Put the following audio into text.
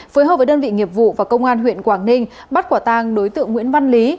phối hợp với đơn vị nghiệp vụ và công an huyện quảng ninh bắt quả tang đối tượng nguyễn văn lý